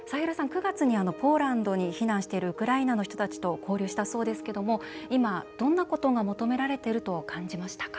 ９月にポーランドに避難しているウクライナの人たちと交流したそうですけども今どんなことが求められてると感じましたか？